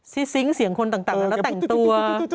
ซิงค์เสียงคนต่างแล้วแต่งตัว